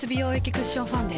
クッションファンデ